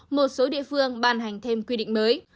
một số địa phương ban hành thêm quy định mới